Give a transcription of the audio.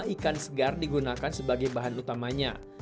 ikan segar digunakan sebagai bahan utamanya